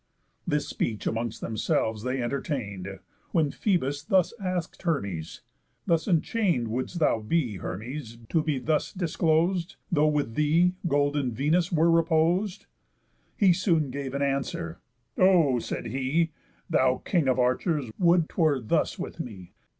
This speech amongst themselves they entertain'd, When Phœbus thus ask'd Hermes: "Thus enchain'd Wouldst thou be, Hermes, to be thus disclos'd? Though with thee golden Venus were repos'd?" He soon gave that an answer: "O," said he, "Thou king of archers, would 'twere thus with me!